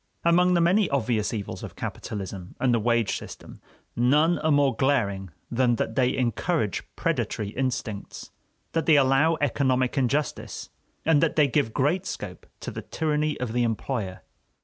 Among the many obvious evils of capitalism and the wage system, none are more glaring than that they encourage predatory instincts, that they allow economic injustice, and that they give great scope to the tyranny of the employer.